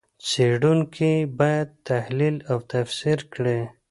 څېړونکي یې باید تحلیل او تفسیر کړي.